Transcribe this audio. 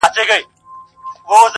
په جنت کي مي ساتلی بیرغ غواړم -